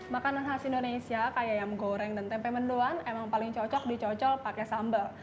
makanan khas indonesia kayak ayam goreng dan tempe menduan emang paling cocok dicocol pakai sambal